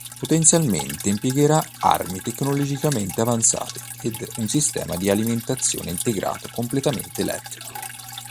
Potenzialmente impiegherà armi tecnologicamente avanzate ed un sistema di alimentazione integrato completamente elettrico.